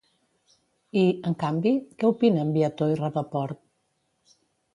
I, en canvi, què opinen Viateau i Rapaport?